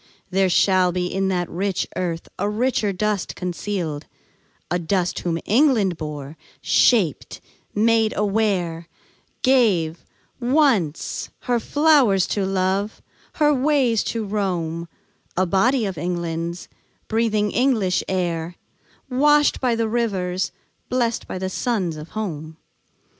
There shall be In that rich earth a richer dust concealed; A dust whom England bore, shaped, made aware, Gave, once, her flowers to love, her ways to roam, A body of England's, breathing English air, Washed by the rivers, blest by suns of home.